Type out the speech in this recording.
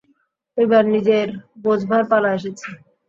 এইবার নিজের বোঝবার পালা এসেছে।